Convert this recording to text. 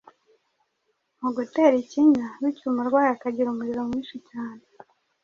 mu gutera ikinya bityo umurwayi akagira umuriro mwinshi cyane